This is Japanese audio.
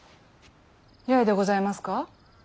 八重でございますか。